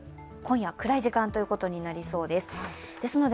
今夜、暗い時間ということになりそうです。